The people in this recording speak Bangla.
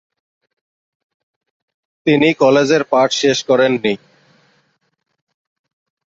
তিনি কলেজের পাঠ শেষ করেননি।